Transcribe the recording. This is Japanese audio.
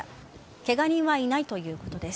ケガ人はいないということです。